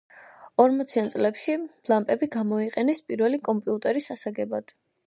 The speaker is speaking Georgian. ორმოციან წლებში ლამპები გამოიყენეს პირველი კომპიუტერის ასაგებად